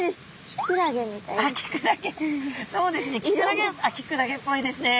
キクラゲっぽいですね。